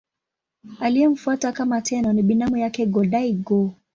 Aliyemfuata kama Tenno ni binamu yake Go-Daigo.